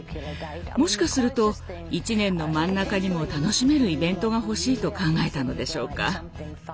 もしかすると１年の真ん中にも楽しめるイベントが欲しいと考えたのでしょうか。